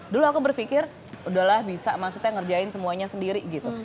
dulu aku berpikir udahlah bisa maksudnya ngerjain semuanya sendiri gitu